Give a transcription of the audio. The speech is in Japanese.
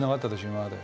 今まで。